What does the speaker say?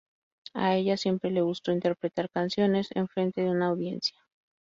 A ella siempre le gustó interpretar canciones en frente de una audiencia.